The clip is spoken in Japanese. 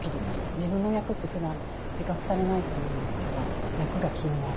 自分の脈ってふだん自覚されないと思うんですけど脈が気になる。